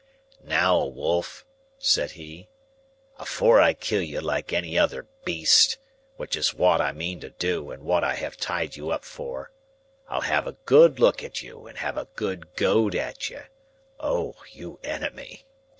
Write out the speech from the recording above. "Now, wolf," said he, "afore I kill you like any other beast,—which is wot I mean to do and wot I have tied you up for,—I'll have a good look at you and a good goad at you. O you enemy!"